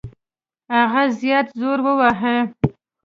هغه زیات زور وواهه.